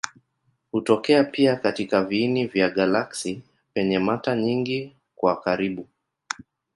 Hutokea pia katika viini vya galaksi penye mata nyingi kwa karibu.